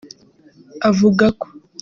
avugako